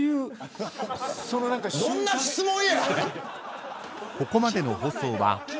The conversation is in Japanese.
どんな質問や。